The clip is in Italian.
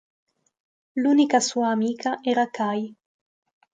L'unica sua amica era Kai.